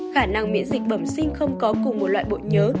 khả năng miễn dịch bẩm sinh không có cùng một loại bộ nhớ